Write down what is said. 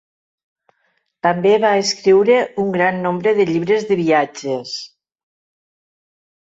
També va escriure un gran nombre de llibres de viatges.